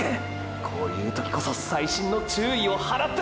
こういう時こそ細心の注意を払って！！